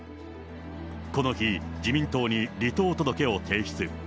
この日、自民党に離党届を提出。